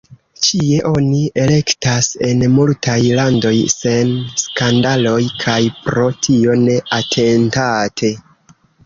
Ĉie oni elektas, en multaj landoj sen skandaloj kaj pro tio ne atentate.